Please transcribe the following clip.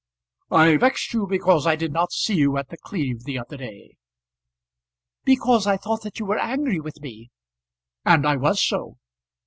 "I vexed you because I did not see you at The Cleeve the other day." "Because I thought that you were angry with me." "And I was so."